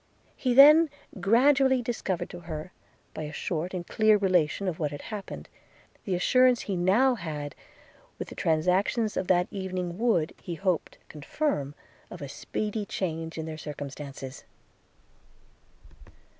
He then gradually discovered to her, by a short and clear relation of what had happened, the assurance he now had, which the transactions of that evening would, he hoped, confirm, of a speedy change in their circumstances.